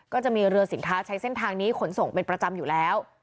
ก็จะมีเรือสินค้าใช้เส้นทางนี้ขนส่งเป็นประจำอยู่แล้ว